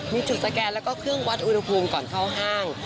มีจุดสแกนแล้วก็เครื่องวัดอุณหภูมิก่อนเข้าห้าง